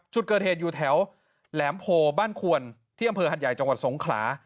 จุดเกิดเหตุอยู่แถวแหลมโพบ้านควรที่อำเภอหัดใหญ่จังหวัดสงขลา